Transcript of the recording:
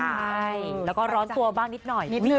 ใช่แล้วก็ร้อนตัวบ้างนิดหน่อย